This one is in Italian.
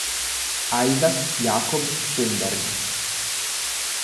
Isaac Jacob Schoenberg